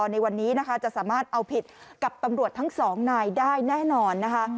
ในวันนี้นะคะจะสามารถเอาผิดกับตำรวจทั้งสองนายได้แน่นอนนะคะ